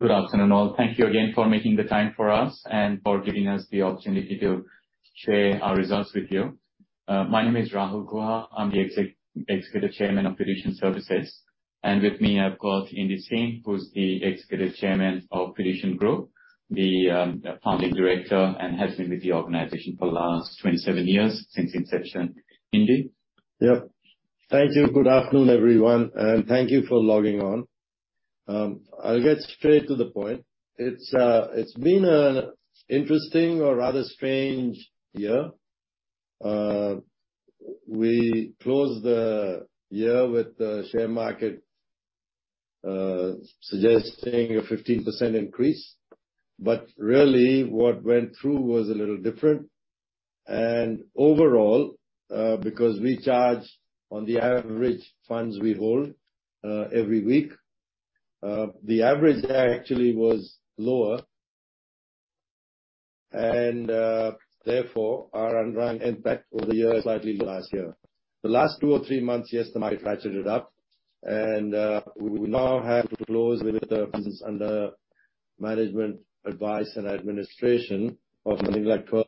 Good afternoon, all. Thank you again for making the time for us and for giving us the opportunity to share our results with you. My name is Rahul Guha. I'm the Executive Chairman of Fiducian Services, and with me I've got Indy Singh, who's the Executive Chairman of Fiducian Group, the founding director, and has been with the organization for the last 27 years, since inception. Indy? Yep. Thank you. Good afternoon, everyone, and thank you for logging on. I'll get straight to the point. It's, it's been an interesting or rather strange year. We closed the year with the share market, suggesting a 15% increase, but really, what went through was a little different. Overall, because we charge on the average funds we hold, every week, the average there actually was lower. Therefore, our unrun impact over the year is slightly less year. The last 2 or 3 months, yes, the market ratcheted up, and we now have to close with the under management advice and administration of something like twelve-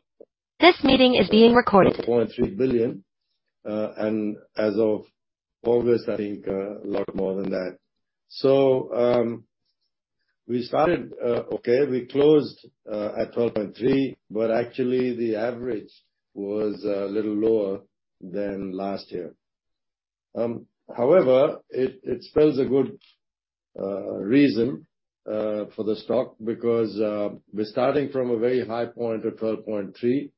This meeting is being recorded. 12.3 billion. As of August, I think, a lot more than that. We started, okay. We closed at 12.3, but actually, the average was a little lower than last year. It spells a good reason for the stock, because we're starting from a very high point of 12.3,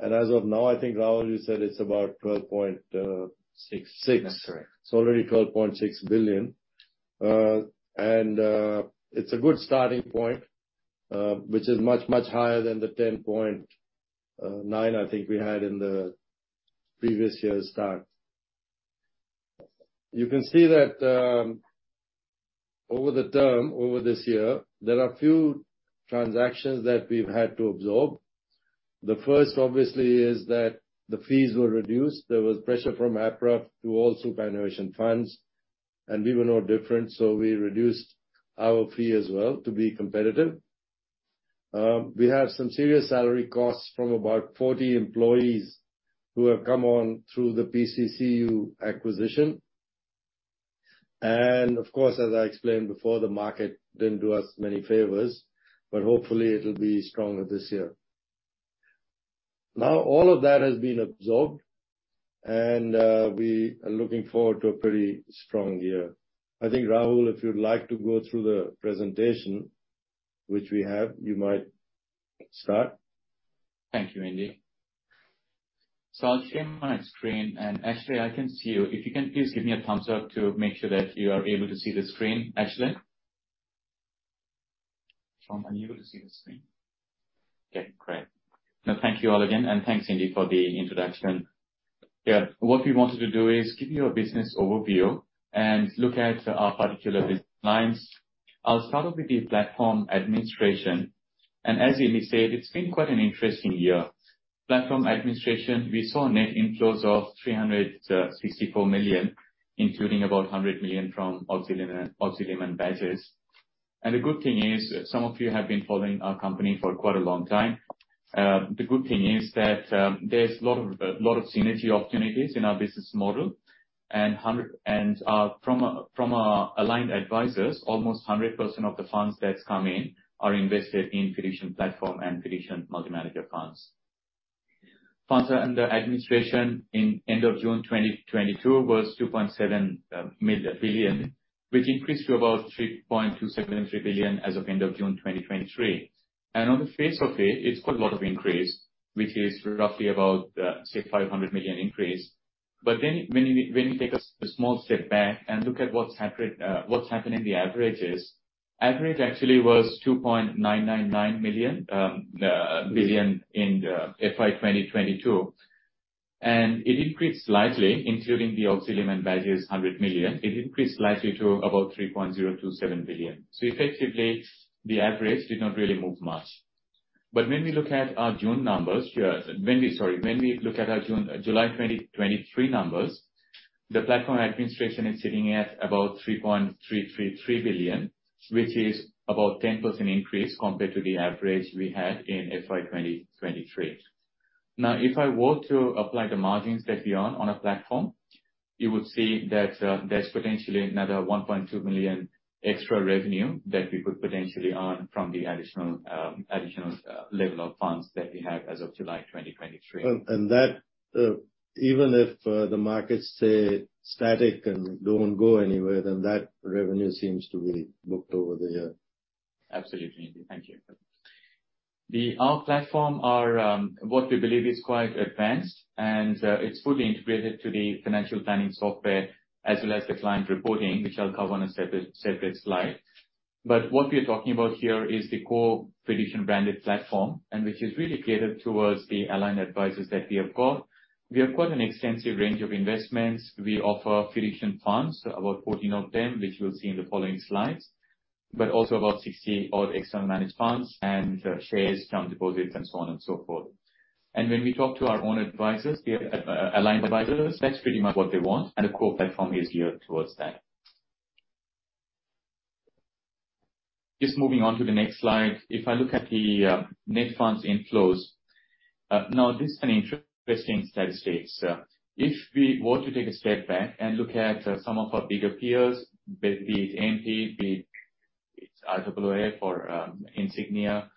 and as of now, I think, Rahul, you said it's about 12.66. That's correct. It's already 12.6 billion. It's a good starting point, which is much, much higher than the 10.9 billion, I think we had in the previous year's start. You can see that, over the term, over this year, there are a few transactions that we've had to absorb. The first, obviously, is that the fees were reduced. There was pressure from APRA to all superannuation funds, and we were no different, so we reduced our fee as well to be competitive. We have some serious salary costs from about 40 employees who have come on through the PCCU acquisition. Of course, as I explained before, the market didn't do us many favors, but hopefully it'll be stronger this year. Now, all of that has been absorbed, and we are looking forward to a pretty strong year. I think, Rahul, if you'd like to go through the presentation which we have, you might start. Thank you, Indy. I'll share my screen. Ashley, I can see you. If you can, please give me a thumbs up to make sure that you are able to see the screen. Ashley? Are you able to see the screen? Okay, great. Thank you all again, and thanks, Indy, for the introduction. What we wanted to do is give you a business overview and look at our particular business lines. I'll start off with the platform administration, and as Indy said, it's been quite an interesting year. Platform administration, we saw net inflows of 364 million, including about 100 million from Auxilium and Badges. The good thing is, some of you have been following our company for quite a long time. The good thing is that there's a lot of, lot of synergy opportunities in our business model. From our, from our aligned advisors, almost 100% of the funds that's come in are invested in Fiducian platform and Fiducian multi-manager funds. Funds that are under administration in end of June 2022 was 2.7 billion, which increased to about 3.273 billion as of end of June 2023. On the face of it, it's quite a lot of increase, which is roughly about, say, 500 million increase. When you take a small step back and look at what's happening, the averages, average actually was 2.999 billion in FY 2022, and it increased slightly, including the Auxilium and Badges 100 million. It increased slightly to about 3.027 billion. Effectively, the average did not really move much. When we look at our June numbers. Sorry, when we look at our June, July 2023 numbers, the platform administration is sitting at about 3.333 billion, which is about 10% increase compared to the average we had in FY 2023. If I were to apply the margins that we earn on a platform, you would see that there's potentially another 1.2 million extra revenue that we could potentially earn from the additional additional level of funds that we have as of July 2023. That, even if, the markets stay static and don't go anywhere, then that revenue seems to be booked over the year. Absolutely, Indy. Thank you. Our platform are, what we believe is quite advanced, and it's fully integrated to the financial planning software as well as the client reporting, which I'll cover on a separate, separate slide. What we are talking about here is the core Fiducian-branded platform, and which is really catered towards the aligned advisors that we have got. We have got an extensive range of investments. We offer Fiducian Funds, about 14 of them, which you'll see in the following slides, but also about 60 odd external managed funds and shares, term deposits and so on and so forth. When we talk to our own advisors, the aligned advisors, that's pretty much what they want, and the core platform is geared towards that. Just moving on to the next slide. If I look at the net funds inflows now, this is an interesting statistics. If we were to take a step back and look at some of our bigger peers, be it AMP, be it FAAA or Insignia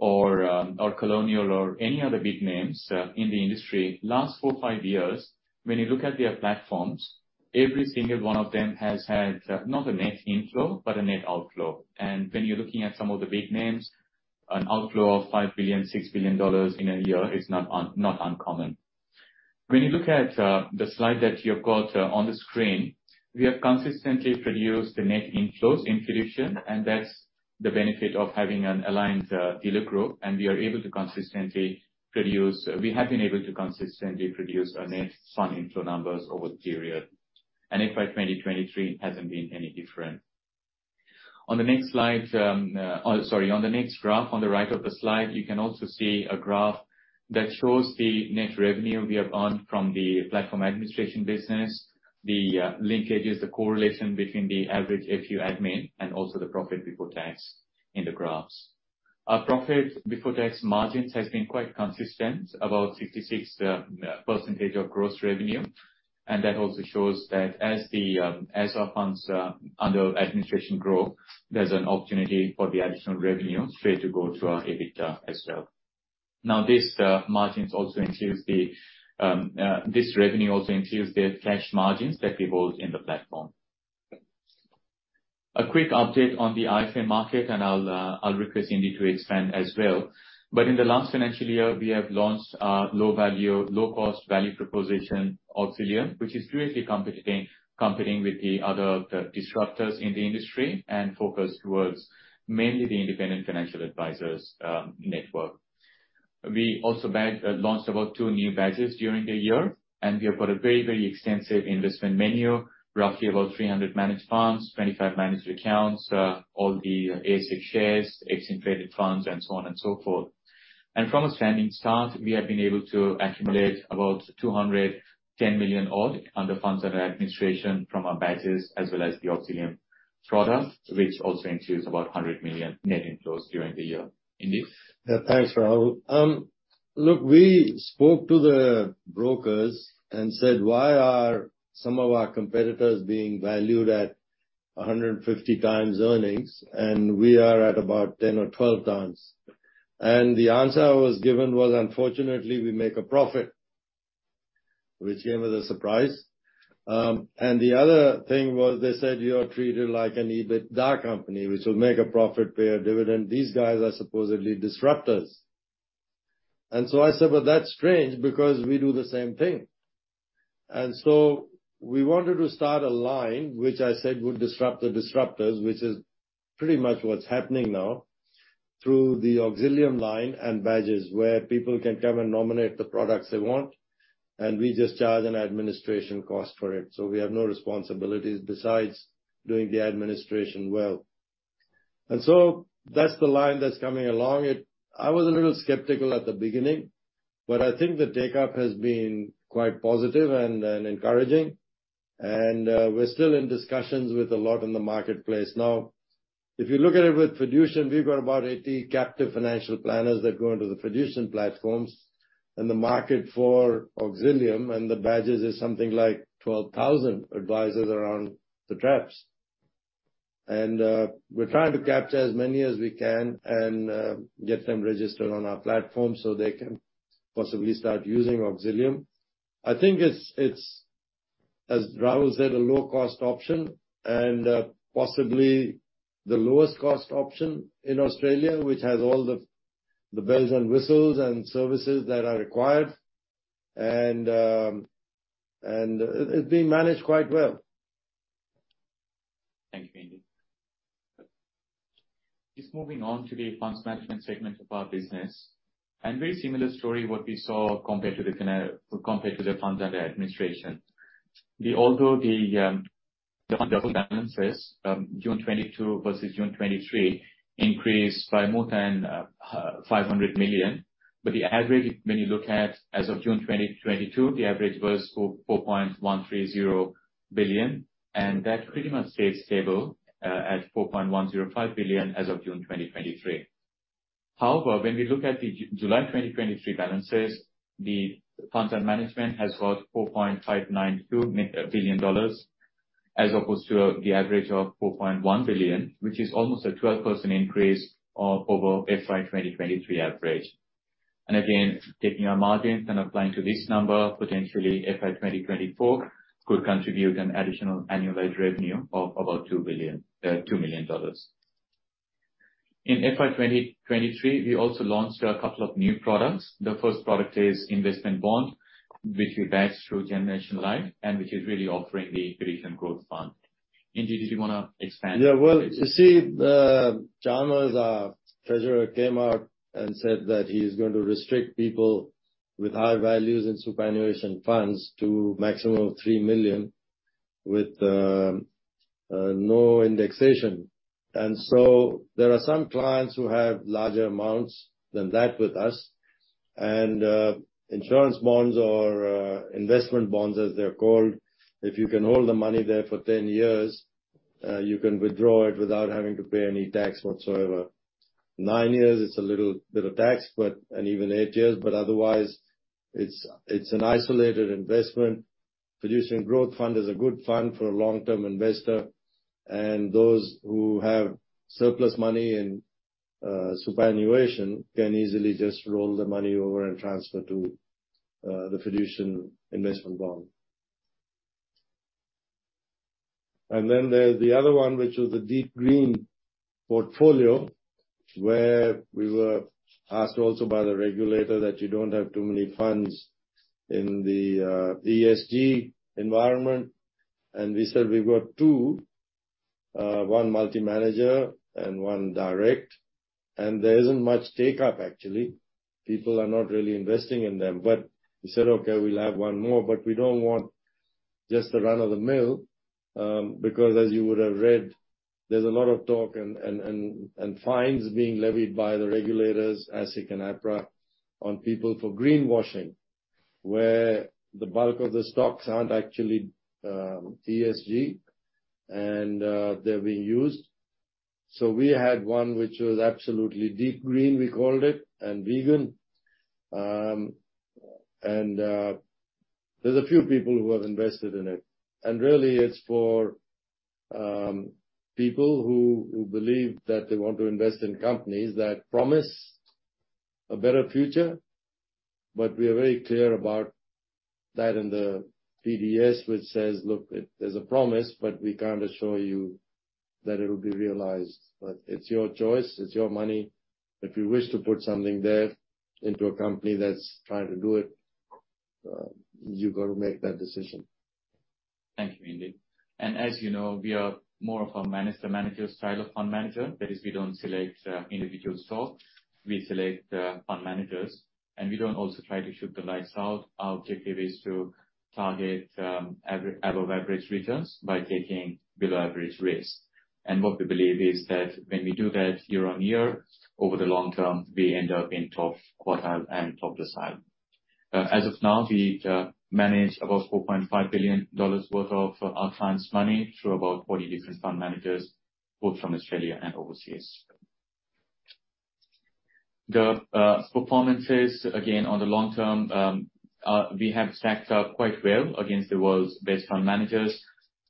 or Colonial or any other big names in the industry, last 4, 5 years, when you look at their platforms, every single one of them has had not a net inflow, but a net outflow. When you're looking at some of the big names, an outflow of 5 billion, 6 billion dollars in a year is not uncommon. When you look at the slide that you've got on the screen, we have consistently produced the net inflows in Fiducian, and that's the benefit of having an aligned dealer group, and we are able to consistently produce- we have been able to consistently produce our net fund inflow numbers over the period. FY 2023 hasn't been any different. On the next slide, oh, sorry, on the next graph, on the right of the slide, you can also see a graph that shows the net revenue we have earned from the platform administration business, the linkages, the correlation between the average FUMA and also the profit before tax in the graphs. Our profit before tax margins has been quite consistent, about 66% of gross revenue. That also shows that as the as our funds under administration grow, there's an opportunity for the additional revenue straight to go to our EBITDA as well. This margins also includes the this revenue also includes the cash margins that we hold in the platform. A quick update on the IFA market, and I'll I'll request Indy to expand as well. In the last financial year, we have launched a low-value, low-cost value proposition, Auxilium, which is directly competing, competing with the other disruptors in the industry and focused towards mainly the Independent Financial Advisers network. We also launched about 2 new Badges during the year, and we have got a very, very extensive investment menu, roughly about 300 managed funds, 25 managed accounts, all the ASX shares, exchange-traded funds, and so on and so forth. From a standing start, we have been able to accumulate about 210 million odd under funds under administration from our Badges, as well as the Auxilium product, which also includes about 100 million net inflows during the year. Indy? Yeah. Thanks, Rahul. Look, we spoke to the brokers and said, "Why are some of our competitors being valued at 150 times earnings, and we are at about 10 or 12 times?" The answer I was given was: Unfortunately, we make a profit, which came as a surprise. The other thing was they said, "You are treated like an EBITDA company, which will make a profit, pay a dividend." These guys are supposedly disruptors. I said, "Well, that's strange, because we do the same thing." We wanted to start a line, which I said would disrupt the disruptors, which is pretty much what's happening now through the Auxilium line and Badges, where people can come and nominate the products they want, and we just charge an administration cost for it. We have no responsibilities besides doing the administration well. That's the line that's coming along. I was a little skeptical at the beginning, but I think the take-up has been quite positive and encouraging, we're still in discussions with a lot in the marketplace. If you look at it with Fiducian, we've got about 80 captive financial planners that go into the Fiducian platforms, and the market for Auxilium and the Badges is something like 12,000 advisors around the traps. We're trying to capture as many as we can and get them registered on our platform so they can possibly start using Auxilium. I think it's, it's, as Rahul said, a low-cost option and, possibly the lowest cost option in Australia, which has all the, the bells and whistles and services that are required, and, and it, it's being managed quite well. Thank you, Indy. Just moving on to the funds management segment of our business, and very similar story, what we saw compared to the funds under administration. Although the fund balance is June 2022 versus June 2023, increased by more than 500 million, but the average, when you look at as of June 2022, the average was 4.130 billion, and that pretty much stays stable at 4.105 billion as of June 2023. However, when we look at the July 2023 balances, the funds under management has got 4.592 billion dollars, as opposed to the average of 4.1 billion, which is almost a 12% increase over FY 2023 average. Again, taking our margins and applying to this number, potentially FY 2024 could contribute an additional annualized revenue of about 2 billion, 2 million dollars. In FY 2023, we also launched a couple of new products. The first product is investment bond, which we badged through Generation Life, and which is really offering the Fiducian Growth Fund. Indy, did you wanna expand? Yeah. Well, you see, Chalmers, our Treasurer, came out and said that he is going to restrict people with high values in superannuation funds to maximum of 3 million, with no indexation. There are some clients who have larger amounts than that with us. Insurance bonds or investment bonds, as they're called, if you can hold the money there for 10 years, you can withdraw it without having to pay any tax whatsoever. 9 years, it's a little bit of tax, but-- and even 8 years, but otherwise, it's, it's an isolated investment. Fiducian Growth Fund is a good fund for a long-term investor, and those who have surplus money in superannuation can easily just roll the money over and transfer to the Fiducian Investment Bond. Then there's the other one, which is the Deep Green portfolio, where we were asked also by the regulator that you don't have too many funds in the ESG environment. We said we've got two, one multi-manager and one direct, and there isn't much take-up, actually. People are not really investing in them. We said, "Okay, we'll have one more," but we don't want just the run-of-the-mill, because as you would have read, there's a lot of talk and fines being levied by the regulators, ASIC and APRA, on people for greenwashing, where the bulk of the stocks aren't actually ESG, and they're being used. We had one, which was absolutely Deep Green, we called it, and vegan. There's a few people who have invested in it, and really, it's for people who, who believe that they want to invest in companies that promise a better future. We are very clear about that in the PDS, which says, "Look, there's a promise, but we can't assure you that it'll be realized. It's your choice. It's your money. If you wish to put something there into a company that's trying to do it, you've got to make that decision. Thank you, Indy. As you know, we are more of a manager, manager style of fund manager. That is, we don't select individual stocks. We select fund managers, and we don't also try to shoot the lights out. Our objective is to target above average returns by taking below average risk. What we believe is that when we do that year on year, over the long term, we end up in top quartile and top decile. As of now, we manage about 4.5 billion dollars worth of our clients' money through about 40 different fund managers, both from Australia and overseas. The performances, again, on the long term, we have stacked up quite well against the world's best fund managers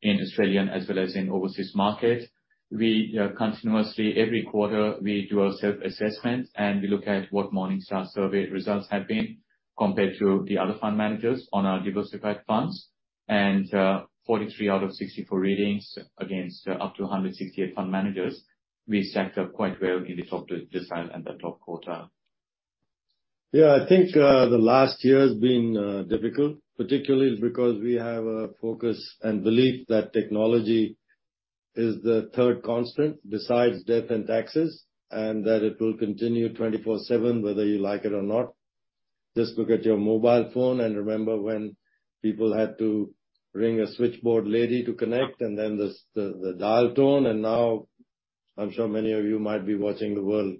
in Australian as well as in overseas market. We continuously, every quarter, we do a self-assessment, and we look at what Morningstar survey results have been compared to the other fund managers on our diversified funds. 43 out of 64 ratings against up to 168 fund managers, we stacked up quite well in the top decile and the top quartile. Yeah, I think the last year has been difficult, particularly because we have a focus and belief that technology is the third constant besides death and taxes, and that it will continue 24/7, whether you like it or not. Just look at your mobile phone and remember when people had to ring a switchboard lady to connect, and then the dial tone, and now I'm sure many of you might be watching the World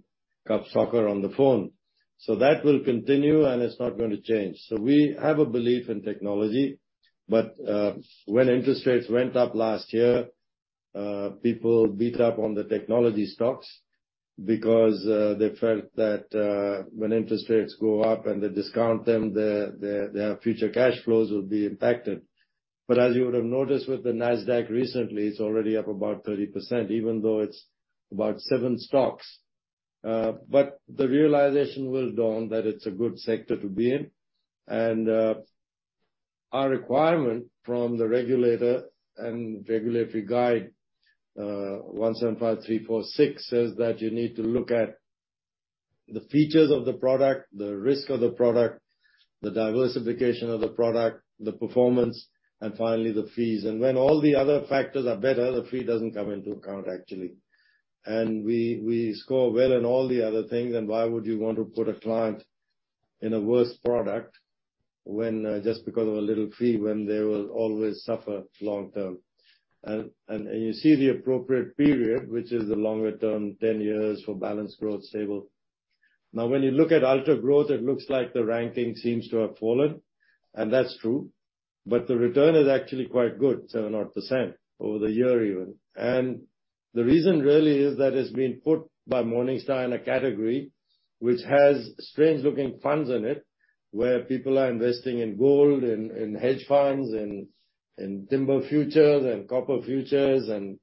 Cup soccer on the phone. That will continue, and it's not going to change. We have a belief in technology, but when interest rates went up last year, people beat up on the technology stocks because they felt that when interest rates go up, and they discount them, their, their, their future cash flows will be impacted. As you would have noticed with the Nasdaq recently, it's already up about 30%, even though it's about 7 stocks. But the realization will dawn that it's a good sector to be in. Our requirement from the regulator and Regulatory Guide 175 346 says that you need to look at the features of the product, the risk of the product, the diversification of the product, the performance, and finally, the fees. When all the other factors are better, the fee doesn't come into account, actually. We, we score well in all the other things, and why would you want to put a client in a worse product when just because of a little fee, when they will always suffer long term? You see the appropriate period, which is the longer term, 10 years, for balanced growth, stable. When you look at Ultra Growth, it looks like the ranking seems to have fallen, and that's true, but the return is actually quite good, 7 odd % over the year even. The reason really is that it's been put by Morningstar in a category which has strange-looking funds in it, where people are investing in gold, in, in hedge funds, in, in timber futures and copper futures and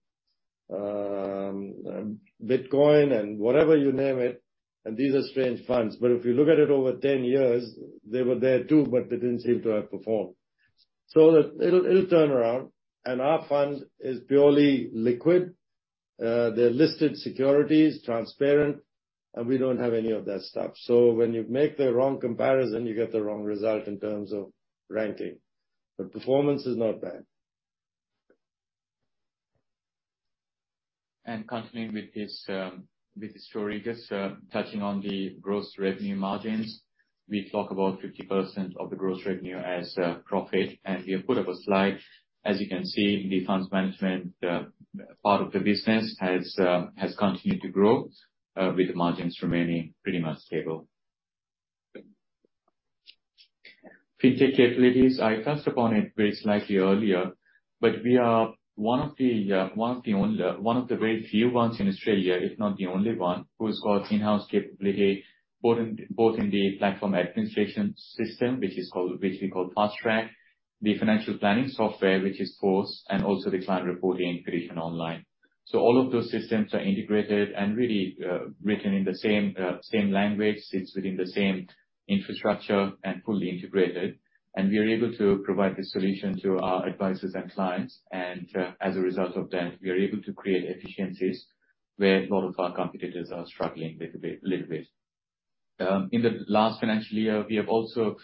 Bitcoin and whatever you name it, and these are strange funds. If you look at it over 10 years, they were there, too, but they didn't seem to have performed. It'll, turn around, and our fund is purely liquid. They're listed securities, transparent, and we don't have any of that stuff. When you make the wrong comparison, you get the wrong result in terms of ranking, but performance is not bad. Continuing with this, with this story, just touching on the gross revenue margins. We talk about 50% of the gross revenue as profit, and we have put up a slide. As you can see, the funds management part of the business has continued to grow with the margins remaining pretty much stable. Fintech capabilities, I touched upon it very slightly earlier, but we are one of the, one of the only, one of the very few ones in Australia, if not the only one, who's got in-house capability, both in, the platform administration system, which is called, basically called FasTrack, the financial planning software, which is FORCe, and also the client reporting in Fiducian Online. All of those systems are integrated and really, written in the same language, sits within the same infrastructure and fully integrated. We are able to provide this solution to our advisors and clients, and as a result of that, we are able to create efficiencies where a lot of our competitors are struggling little bit, little bit. In the last financial year, we have also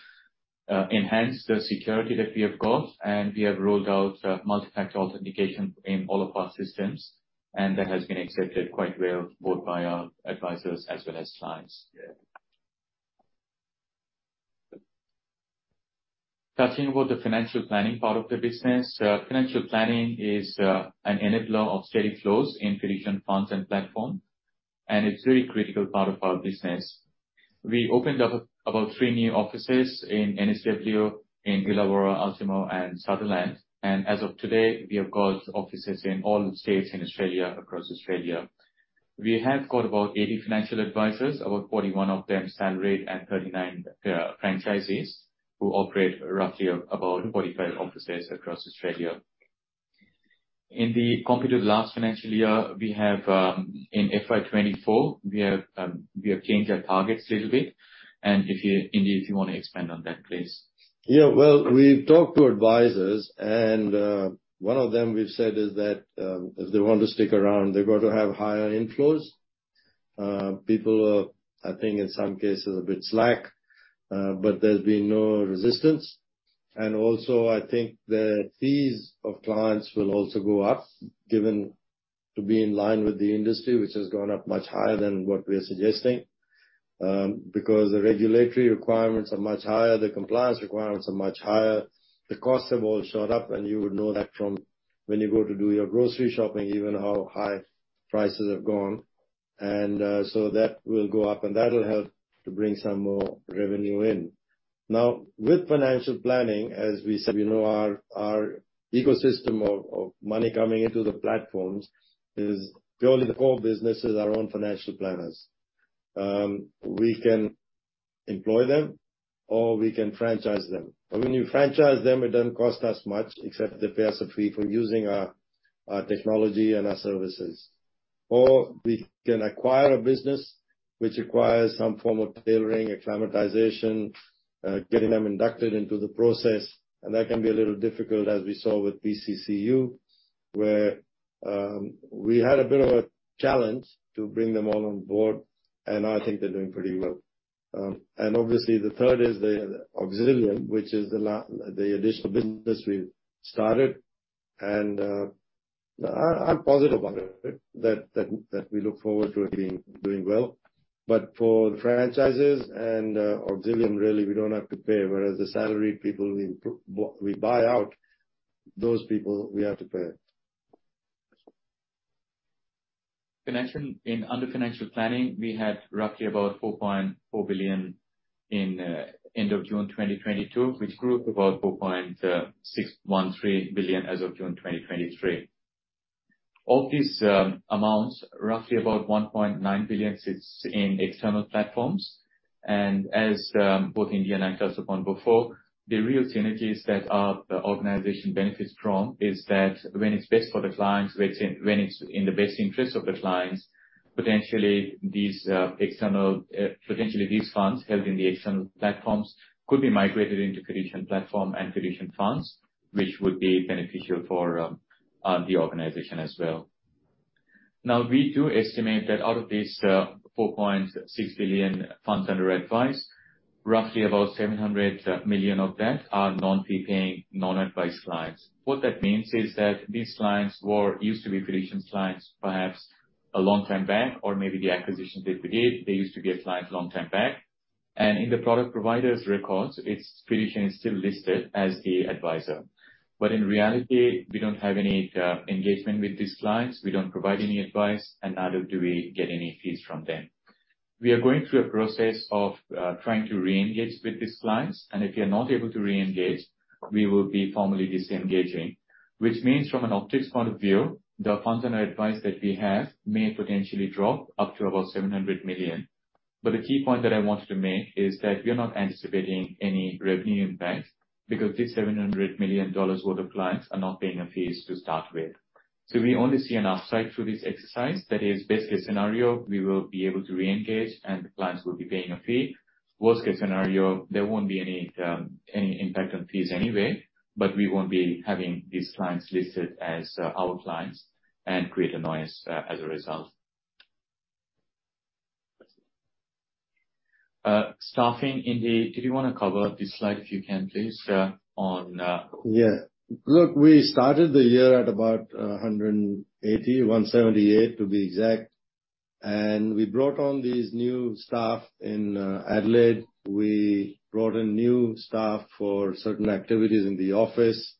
enhanced the security that we have got, and we have rolled out multi-factor authentication in all of our systems. That has been accepted quite well, both by our advisors as well as clients. Touching about the financial planning part of the business. Financial planning is an enabler of steady flows in Fiducian Funds and Platform, and it's very critical part of our business. We opened up about three new offices in NSW, in Illawarra, Ultimo, and Sutherland, as of today, we have got offices in all states in Australia, across Australia. We have got about 80 financial advisors, about 41 of them salaried, and 39 franchisees, who operate roughly about 45 offices across Australia. In the comparative last financial year, we have, in FY 2024, we have, we have changed our targets a little bit. If you, Indy, if you want to expand on that, please. Yeah, well, we've talked to advisers, one of them we've said is that if they want to stick around, they've got to have higher inflows. People are, I think, in some cases, a bit slack, but there's been no resistance. Also, I think the fees of clients will also go up, given to be in line with the industry, which has gone up much higher than what we are suggesting, because the regulatory requirements are much higher, the compliance requirements are much higher. The costs have all shot up, and you would know that from when you go to do your grocery shopping, even how high prices have gone. That will go up, and that'll help to bring some more revenue in. Now, with financial planning, as we said, we know our, our ecosystem of, of money coming into the platforms is purely the core business is our own financial planners. We can employ them, or we can franchise them. When you franchise them, it doesn't cost us much, except they pay us a fee for using our, our technology and our services. We can acquire a business which requires some form of tailoring, acclimatization, getting them inducted into the process, and that can be a little difficult, as we saw with PCCU, where we had a bit of a challenge to bring them all on board, and I think they're doing pretty well. Obviously, the third is the Auxilium, which is the additional business we've started. I'm positive about it, that we look forward to it doing, doing well. For the franchises and Auxilium, really, we don't have to pay, whereas the salaried people, we buy out, those people, we have to pay. Financial, under financial planning, we had roughly about 4.4 billion end of June 2022, which grew to about 4.613 billion as of June 2023. Of these amounts, roughly about 1.9 billion sits in external platforms, and as both Indy and I touched upon before, the real synergies that our organization benefits from is that when it's best for the clients, when it's in the best interest of the clients, potentially these external, potentially, these funds held in the external platforms could be migrated into Fiducian platform and Fiducian funds, which would be beneficial for the organization as well. We do estimate that out of these 4.6 billion funds under advice, roughly about 700 million of that are non-prepaying, non-advised clients. What that means is that these clients were, used to be Fiducian clients, perhaps a long time back, or maybe the acquisitions that we did, they used to be our clients long time back. In the product provider's records, it's, Fiducian is still listed as the advisor. In reality, we don't have any engagement with these clients, we don't provide any advice, and neither do we get any fees from them. We are going through a process of trying to re-engage with these clients, and if we are not able to re-engage, we will be formally disengaging. From an optics point of view, the funds and advice that we have may potentially drop up to about 700 million. The key point that I wanted to make is that we are not anticipating any revenue impact, because this 700 million dollars worth of clients are not paying a fees to start with. We only see an upside through this exercise. That is best case scenario, we will be able to re-engage, and the clients will be paying a fee. Worst case scenario, there won't be any impact on fees anyway, but we won't be having these clients listed as our clients and create a noise as a result. Staffing, Indy, did you want to cover this slide, if you can please, on- Yeah. Look, we started the year at about 180, 178 to be exact. We brought on these new staff in Adelaide. We brought in new staff for certain activities in the office.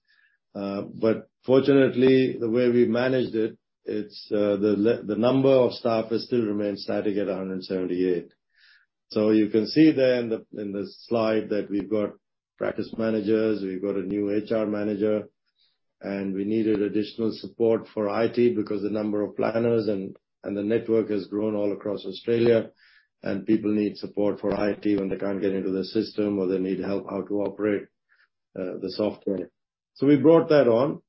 Fortunately, the way we managed it, the number of staff has still remained static at 178. You can see there in the slide that we've got practice managers. We've got a new HR manager. We needed additional support for IT because the number of planners and the network has grown all across Australia. People need support for IT when they can't get into the system or they need help how to operate the software. We brought that on.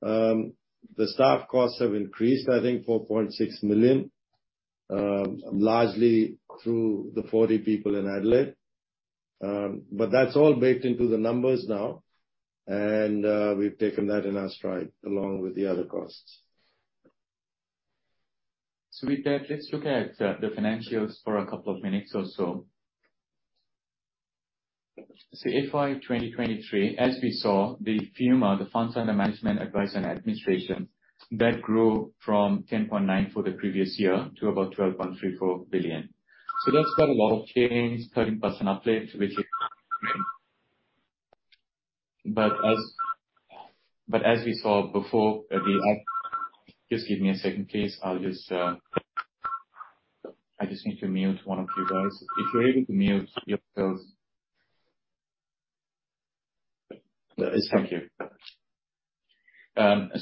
The staff costs have increased, I think 4.6 million, largely through the 40 people in Adelaide. That's all baked into the numbers now, and we've taken that in our stride, along with the other costs. With that, let's look at the financials for a couple of minutes or so. FY 2023, as we saw, the FUMA, the funds under management, advice, and administration, that grew from 10.9 billion for the previous year to about 12.34 billion. That's quite a lot of change, 13% uplift. Just give me a second, please. I just need to mute one of you guys. If you're able to mute yourselves. Thank you.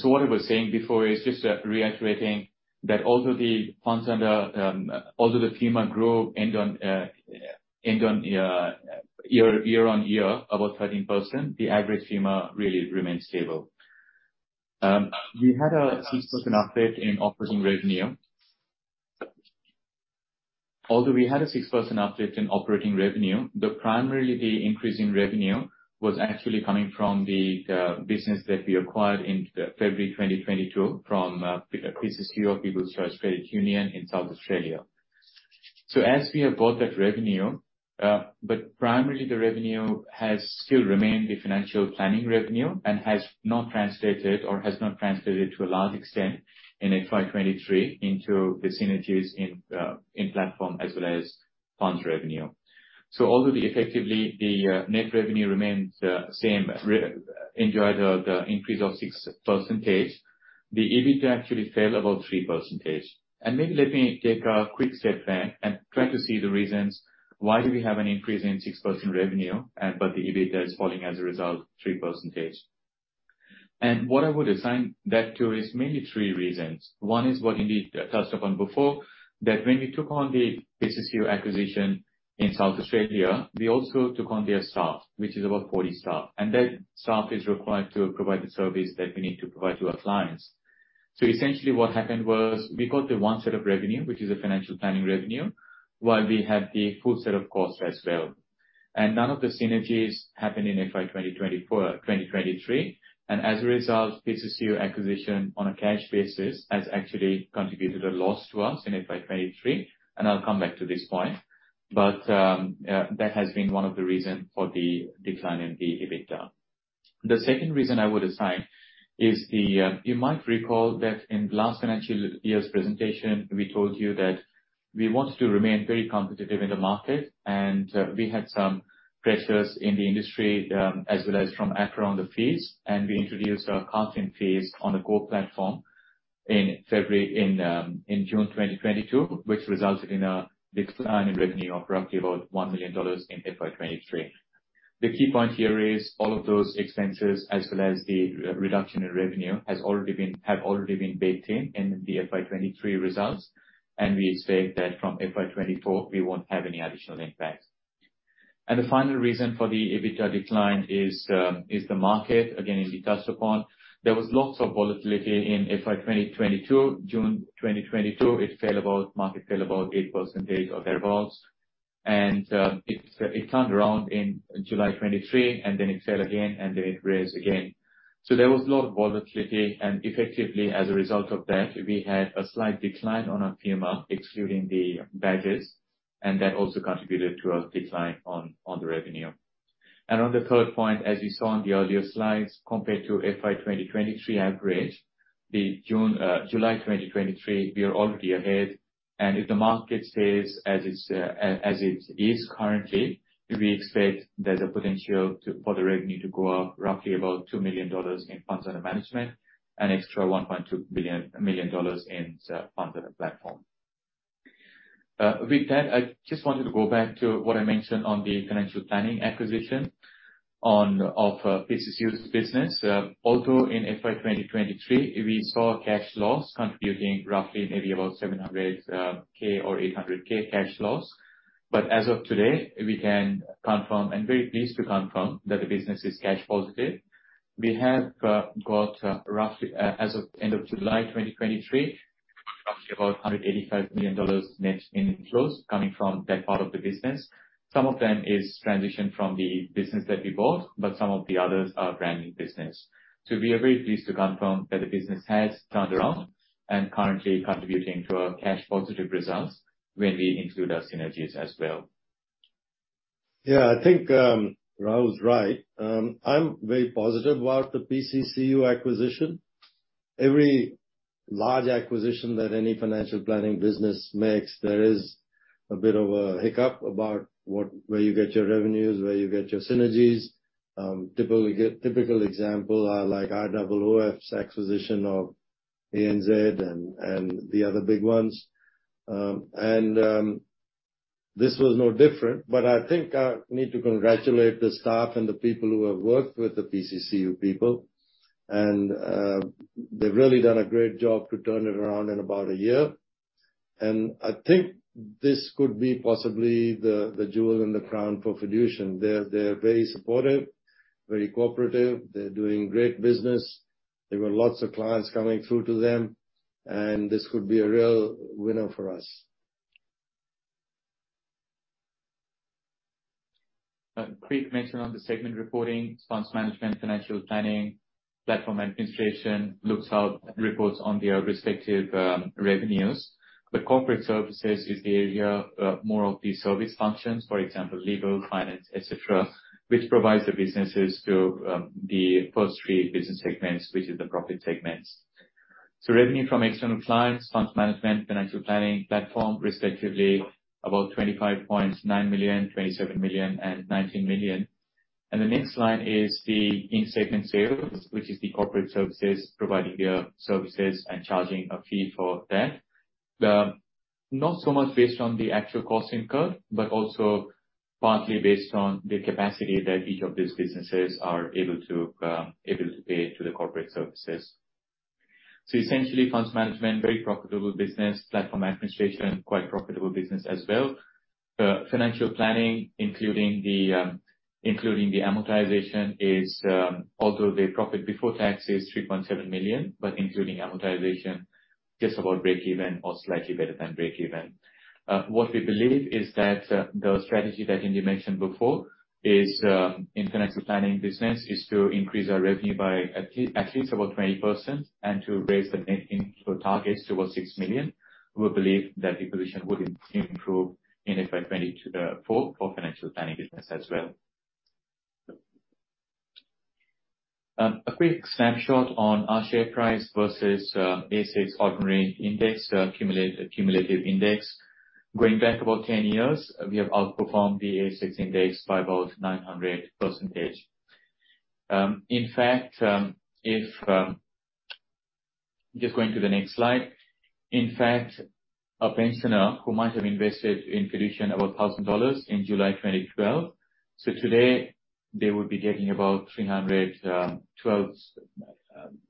What I was saying before is just reiterating that although the funds under, although the FUMA grew end on, end on, year, year-on-year, about 13%, the average FUMA really remains stable. We had a 6% uplift in operating revenue. Although we had a 6% uplift in operating revenue, the primarily the increase in revenue was actually coming from the business that we acquired in February 2022 from PCCU, or People's Choice Credit Union in South Australia. As we have built that revenue, but primarily the revenue has still remained the financial planning revenue and has not translated, or has not translated to a large extent in FY 23 into the synergies in platform as well as funds revenue. Although the, effectively, the net revenue remains the same, re- enjoyed the, the increase of 6%, the EBITDA actually fell about 3%. Maybe let me take a quick step back and try to see the reasons why do we have an increase in 6% revenue, but the EBITDA is falling as a result 3%. What I would assign that to is mainly 3 reasons. 1 is what Indy touched upon before, that when we took on the PCCU acquisition in South Australia, we also took on their staff, which is about 40 staff, and that staff is required to provide the service that we need to provide to our clients. Essentially, what happened was we got the 1 set of revenue, which is a financial planning revenue, while we had the full set of costs as well. None of the synergies happened in FY 2024, 2023. As a result, PCCU acquisition, on a cash basis, has actually contributed a loss to us in FY 2023, and I'll come back to this point. That has been 1 of the reasons for the decline in the EBITDA. The second reason I would assign is. You might recall that in last financial year's presentation, we told you that we wanted to remain very competitive in the market, and we had some pressures in the industry, as well as from APRA on the fees, and we introduced our counseling fees on the core platform in February, in June 2022, which resulted in a decline in revenue of roughly about 1 million dollars in FY 2023. The key point here is all of those expenses, as well as the reduction in revenue, have already been baked in in the FY 2023 results, and we expect that from FY 2024, we won't have any additional impact. The final reason for the EBITDA decline is the market. Again, as we touched upon, there was lots of volatility in FY 2022. June 2022, it fell about, market fell about 8% of their values, and it turned around in July 2023, and then it fell again, and then it raised again. There was a lot of volatility, and effectively, as a result of that, we had a slight decline on our FUMA, excluding the Badges, and that also contributed to a decline on, on the revenue. On the third point, as you saw on the earlier slides, compared to FY 2023 average, the June, July 2023, we are already ahead. If the market stays as it's, as it is currently, we expect there's a potential to, for the revenue to go up roughly about 2 million dollars in funds under management, an extra 1.2 billion, million in funds under the platform. With that, I just wanted to go back to what I mentioned on the financial planning acquisition of PCCU's business. Although in FY 2023, we saw a cash loss contributing roughly maybe about 700,000 or 800,000 cash loss, but as of today, we can confirm, and very pleased to confirm, that the business is cash positive. We have got roughly, as of end of July 2023, roughly about 185 million dollars net inflows coming from that part of the business. Some of them is transition from the business that we bought, but some of the others are brand-new business. We are very pleased to confirm that the business has turned around and currently contributing to our cash positive results when we include our synergies as well. Yeah, I think Rahul's right. I'm very positive about the PCCU acquisition. Every large acquisition that any financial planning business makes, there is a bit of a hiccup about what, where you get your revenues, where you get your synergies. Typical, typical example are like IOOF's acquisition of ANZ and the other big ones. This was no different, but I think I need to congratulate the staff and the people who have worked with the PCCU people, they've really done a great job to turn it around in about a year. I think this could be possibly the, the jewel in the crown for Fiducian. They're very supportive, very cooperative. They're doing great business. There were lots of clients coming through to them, and this could be a real winner for us. A quick mention on the segment reporting. Funds management, financial planning, platform administration, looks out and reports on their respective revenues. Corporate services is the area of more of the service functions, for example, legal, finance, et cetera, which provides the businesses to the first three business segments, which is the profit segments. Revenue from external clients, funds management, financial planning, platform, respectively, about 25.9 million, 27 million, and 19 million. The next line is the in-segment sales, which is the corporate services, providing their services and charging a fee for that. Not so much based on the actual cost incurred, but also partly based on the capacity that each of these businesses are able to able to pay to the corporate services. Essentially, funds management, very profitable business. Platform administration, quite profitable business as well. Financial planning, including the including the amortization, is although the profit before tax is $3.7 million, including amortization, just about breakeven or slightly better than breakeven. What we believe is that the strategy that Indy mentioned before is in financial planning business, is to increase our revenue by at least about 20% and to raise the net income targets towards $6 million. We believe that the position would improve in FY 2024 for financial planning business as well. A quick snapshot on our share price versus All Ordinaries Index, cumulative, cumulative index. Going back about 10 years, we have outperformed the ASX Index by about 900%. In fact, Just going to the next slide. In fact, a pensioner who might have invested in Fiducian about 1,000 dollars in July 2012, today they would be getting about 312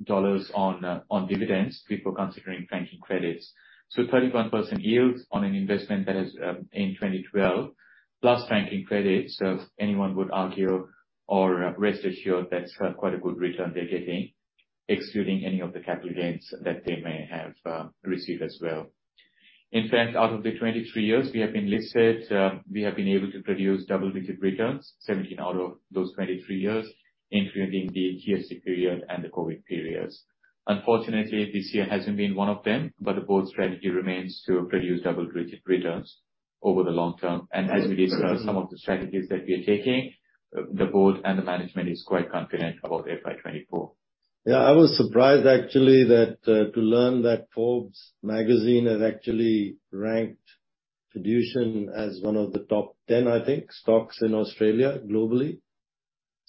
dollars on dividends, before considering franking credits. 31% yield on an investment that is in 2012, plus franking credits. Anyone would argue or rest assured, that's quite a good return they're getting, excluding any of the capital gains that they may have received as well. In fact, out of the 23 years we have been listed, we have been able to produce double-digit returns 17 out of those 23 years, including the GFC period and the COVID periods. Unfortunately, this year hasn't been one of them, but the board's strategy remains to produce double-digit returns over the long term. As we discuss some of the strategies that we are taking, the board and the management is quite confident about FY 24. Yeah, I was surprised actually, that, to learn that Forbes magazine has actually ranked Fiducian as one of the top 10, I think, stocks in Australia, globally.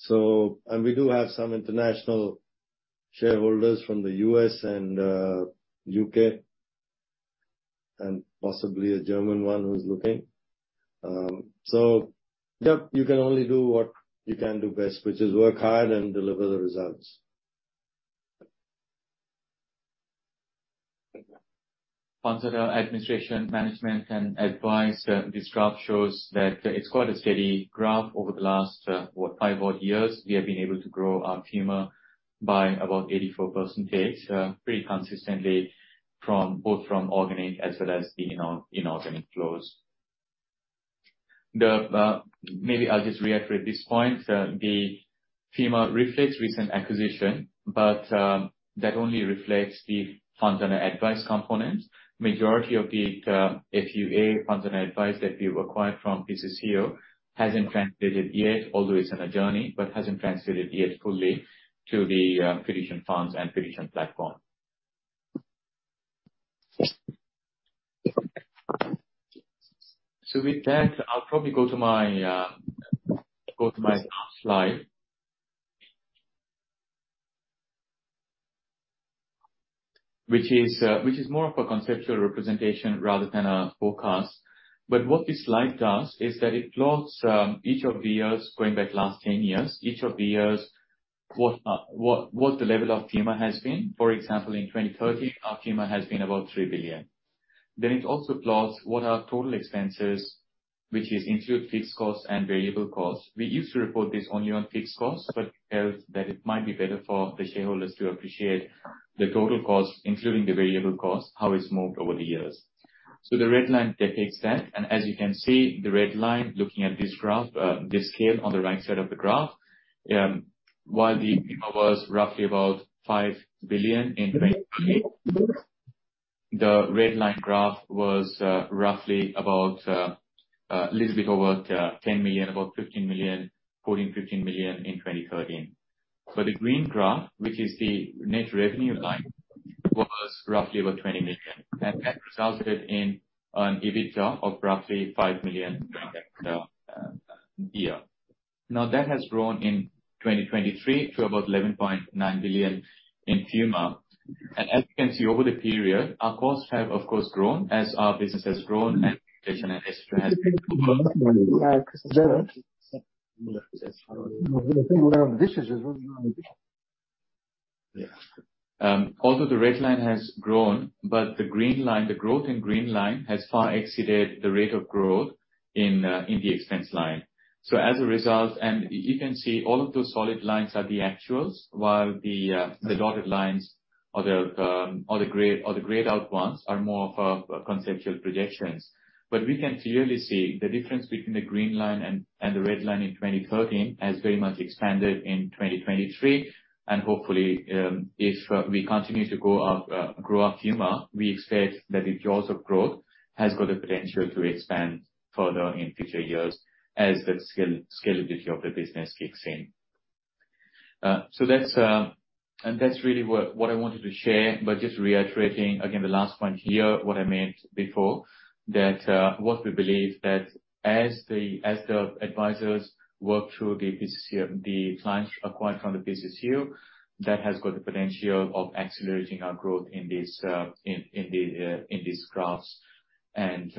We do have some international shareholders from the U.S. and, U.K., and possibly a German one who's looking. Yep, you can only do what you can do best, which is work hard and deliver the results. Funds under administration, management, and advice. This graph shows that it's quite a steady graph over the last, what, five odd years, we have been able to grow our FUMA by about 84% pretty consistently from, both from organic as well as the inorganic flows. Maybe I'll just reiterate this point. The FUMA reflects recent acquisition, but that only reflects the funds under advice component. Majority of the FUA, funds under advice, that we've acquired from PCCU, hasn't translated yet, although it's on a journey, but hasn't translated yet fully to the Fiducian funds and Fiducian platform. With that, I'll probably go to my last slide. Which is, which is more of a conceptual representation rather than a forecast. What this slide does, is that it plots each of the years, going back last 10 years, each of the years, what, what, what the level of FUMA has been. For example, in 2013, our FUMA has been about 3 billion. It also plots what our total expenses, which is include fixed costs and variable costs. We used to report this only on fixed costs, but felt that it might be better for the shareholders to appreciate the total cost, including the variable cost, how it's moved over the years. The red line depicts that. As you can see, the red line, looking at this graph, this scale on the right side of the graph, while the FUMA was roughly about 5 billion in 2013, the red line graph was roughly about a little bit over 10 million, about 15 million, 14 million-15 million in 2013. The green graph, which is the net revenue line, was roughly about 20 million, and that resulted in an EBITDA of roughly 5 million. Yeah. Now, that has grown in 2023 to about 11.9 billion in FUMA. As you can see, over the period, our costs have, of course, grown as our business has grown and inflation and et cetera, has also the red line has grown, the green line, the growth in green line, has far exceeded the rate of growth in the expense line. As a result, you can see all of those solid lines are the actuals, while the dotted lines or the gray, or the grayed out ones, are more of a, a conceptual projections. We can clearly see the difference between the green line and the red line in 2013 has very much expanded in 2023. Hopefully, if we continue to go up, grow our FUMA, we expect that the jaws of growth has got the potential to expand further in future years as the scale, scalability of the business kicks in. That's, and that's really what, what I wanted to share, but just reiterating again, the last point here, what I meant before, that what we believe that as the, as the advisors work through the BCU, the clients acquired from the BCU, that has got the potential of accelerating our growth in this, in, in the, in these graphs, and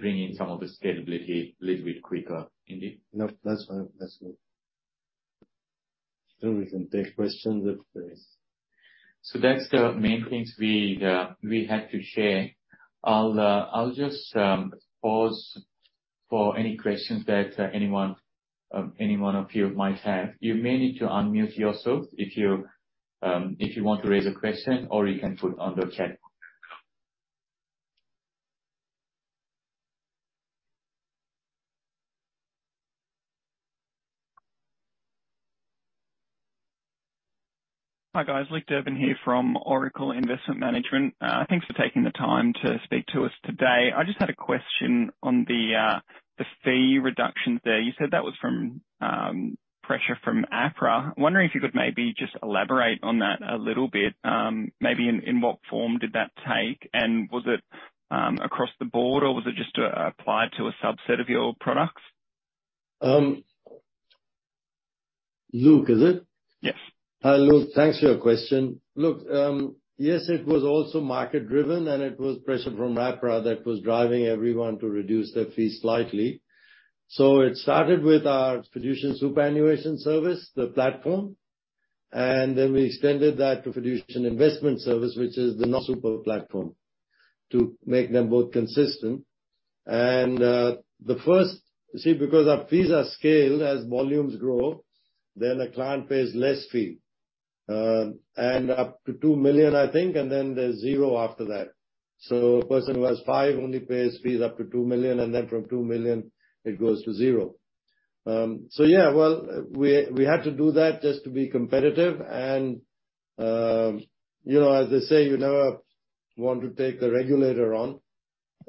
bringing some of the scalability a little bit quicker. Indeed. No, that's fine. That's good. We can take questions if there is. That's the main things we had to share. I'll just pause for any questions that anyone any one of you might have. You may need to unmute yourself if you if you want to raise a question, or you can put on the chat. Hi, guys. Luke Durbin here from Oracle Investment Management. Thanks for taking the time to speak to us today. I just had a question on the fee reductions there. You said that was from pressure from APRA. I'm wondering if you could maybe just elaborate on that a little bit. Maybe in, in what form did that take? Was it across the board, or was it just applied to a subset of your products? Luke, is it? Yes. Hi, Luke. Thanks for your question. Look, yes, it was also market-driven, and it was pressure from APRA that was driving everyone to reduce their fees slightly. It started with our Fiducian Superannuation Service, the platform, and then we extended that to Fiducian Investment Service, which is the non-super platform, to make them both consistent. See, because our fees are scaled as volumes grow, then a client pays less fee, and up to 2 million, I think, and then there's zero after that. A person who has 5 million only pays fees up to 2 million, and then from 2 million, it goes to zero. Yeah, well, we, we had to do that just to be competitive. You know, as they say, you never want to take the regulator on,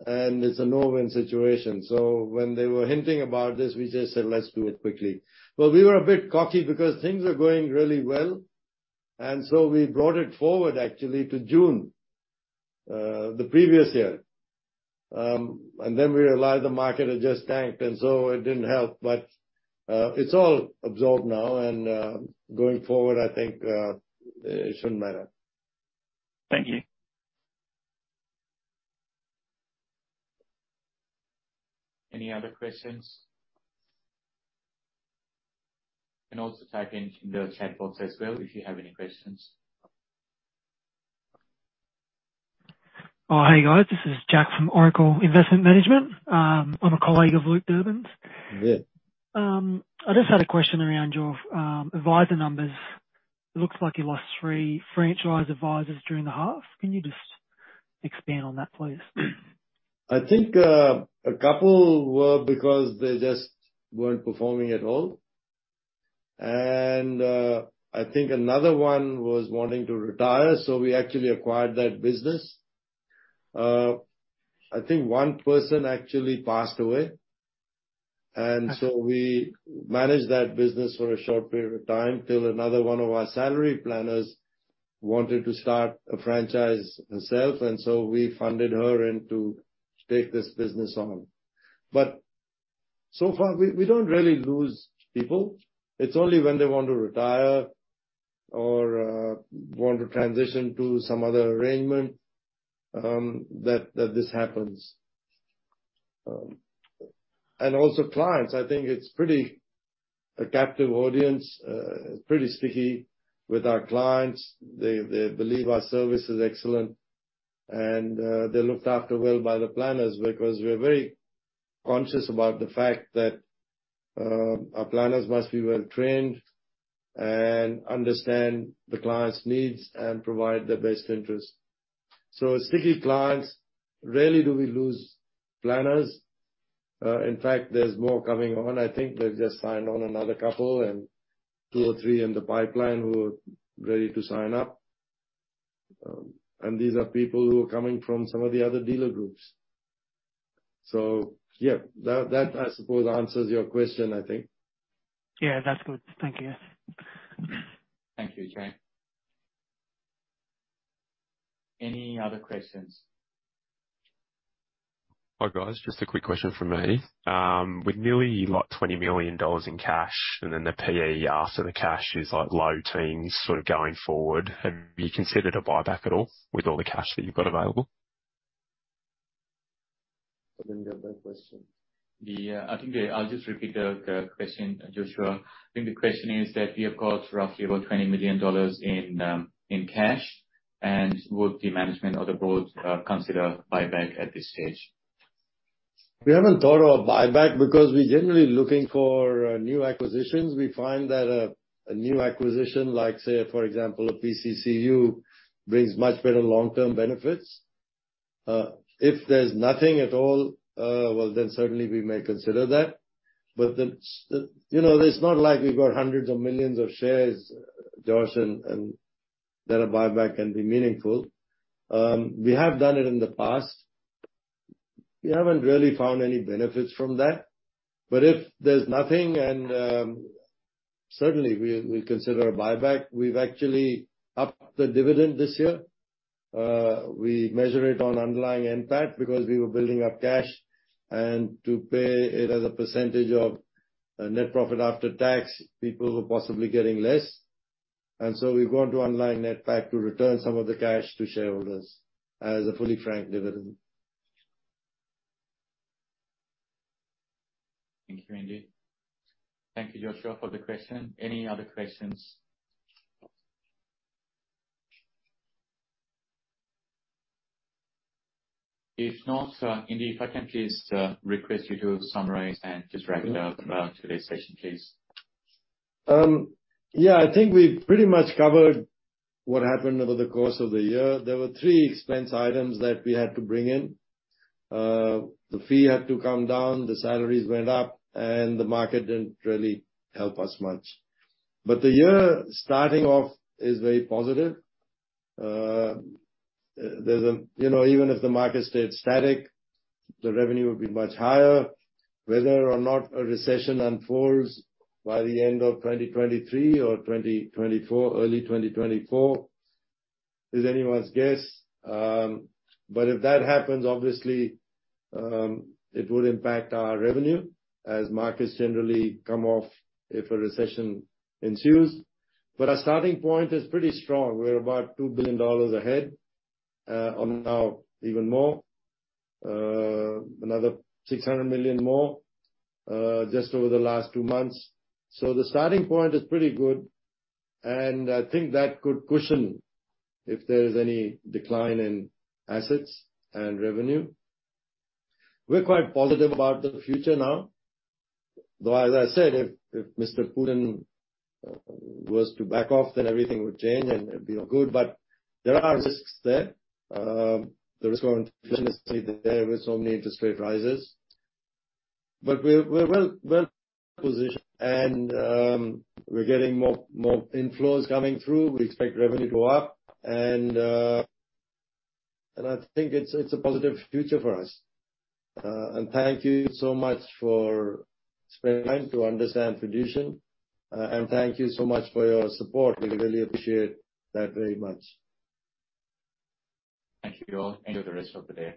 and it's a no-win situation. When they were hinting about this, we just said, "Let's do it quickly." Well, we were a bit cocky because things were going really well, and so we brought it forward, actually, to June, the previous year. Then we realized the market had just tanked, and so it didn't help. It's all absorbed now, and, going forward, I think, it shouldn't matter. Thank you. Any other questions? You can also type in in the chat box as well if you have any questions. Oh, hey, guys. This is Jack from Oracle Investment Management. I'm a colleague of Luke Durbin's. Good. I just had a question around your advisor numbers. It looks like you lost 3 franchise advisors during the half. Can you just expand on that, please? I think a couple were because they just weren't performing at all. I think another one was wanting to retire, so we actually acquired that business. I think one person actually passed away. Okay. We managed that business for a short period of time till another one of our salary planners wanted to start a franchise herself, and so we funded her and to take this business on. So far, we don't really lose people. It's only when they want to retire or want to transition to some other arrangement that this happens. Also clients, I think it's pretty, a captive audience, pretty sticky with our clients. They, they believe our service is excellent, and they're looked after well by the planners because we're very conscious about the fact that our planners must be well trained and understand the client's needs and provide the best interest. Sticky clients, rarely do we lose planners. In fact, there's more coming on. We've just signed on another couple and two or three in the pipeline who are ready to sign up. These are people who are coming from some of the other dealer groups. Yeah, that, that, I suppose, answers your question, I think. Yeah, that's good. Thank you. Yes. Thank you, Jack. Any other questions? Hi, guys, just a quick question from me. With nearly, like, 20 million dollars in cash, and then the PE after the cash is, like, low teens sort of going forward, have you considered a buyback at all with all the cash that you've got available? I didn't get that question. I'll just repeat the question, Joshua. I think the question is that we have got roughly about 20 million dollars in cash. Would the management or the board consider buyback at this stage? We haven't thought of buyback because we're generally looking for new acquisitions. We find that a new acquisition, like, say, for example, a PCCU, brings much better long-term benefits. If there's nothing at all, well, certainly we may consider that. It's not like we've got hundreds of millions of shares, Josh, and that a buyback can be meaningful. We have done it in the past. We haven't really found any benefits from that, if there's nothing and certainly we consider a buyback. We've actually upped the dividend this year. We measure it on underlying NPAT, because we were building up cash, to pay it as a % of net profit after tax, people were possibly getting less. We've gone to underlying NPAT to return some of the cash to shareholders as a fully franked dividend. Thank you, Indy. Thank you, Joshua, for the question. Any other questions? If not, Indy, if I can please request you to summarize and just wrap it up, today's session, please. Yeah, I think we've pretty much covered what happened over the course of the year. There were 3 expense items that we had to bring in. The fee had to come down, the salaries went up, the market didn't really help us much. The year starting off is very positive. There's even if the market stayed static, the revenue would be much higher. Whether or not a recession unfolds by the end of 2023 or 2024, early 2024, is anyone's guess. If that happens, obviously, it would impact our revenue as markets generally come off if a recession ensues. Our starting point is pretty strong. We're about 2 billion dollars ahead, on now even more, another 600 million more, just over the last 2 months. The starting point is pretty good, and I think that could cushion if there is any decline in assets and revenue. We're quite positive about the future now, though, as I said, if, if Mr. Putin was to back off, then everything would change, and it'd be all good. There are risks there. The risk of inflation is still there with so many interest rate rises. We're, we're well, well positioned, and we're getting more, more inflows coming through. We expect revenue to go up, and I think it's, it's a positive future for us. Thank you so much for spending time to understand Fiducian. Thank you so much for your support. We really appreciate that very much. Thank you, all. Enjoy the rest of the day.